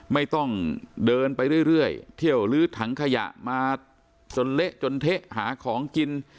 ไม่ต้องเดินไปเรื่อยเที่ยวลื้อถังขยะมาจนเละจนเทะหาของกิน